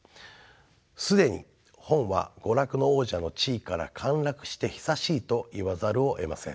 既に本は娯楽の王者の地位から陥落して久しいと言わざるをえません。